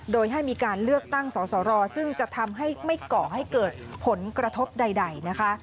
โดยให้มีการเลือกตั้งสอสรซึ่งจะทำให้ไม่ก่อให้เกิดผลกระทบใดนะคะ